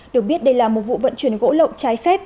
được biết đây là một vụ vận chuyển gỗ lậu trái phép